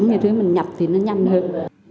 như thế mình nhập thì nó nhanh hơn